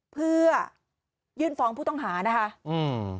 เพื่อยื่นฟ้องผู้ต้องหานะคะอืม